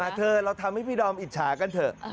เธอเราทำให้พี่ดอมอิจฉากันเถอะ